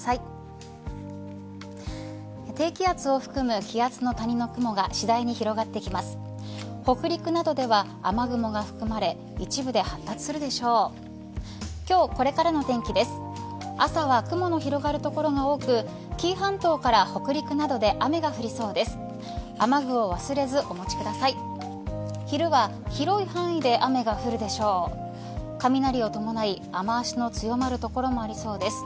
朝は雲の広がる所が多く紀伊半島から北陸などで雨が降りそうです。